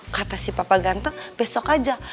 kata si papa ganteng besok aja